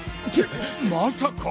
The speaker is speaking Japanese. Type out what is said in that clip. まさか！？